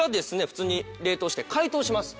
普通に冷凍して解凍します。